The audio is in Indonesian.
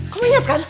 kamu inget kan